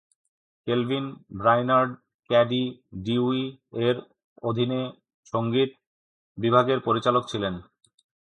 Kelvin Brainerd Cady Dewey এর অধীনে সঙ্গীত বিভাগের পরিচালক ছিলেন।